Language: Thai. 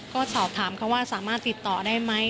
ก็สอบถามเขาสามารถติดต่อได้มั้ย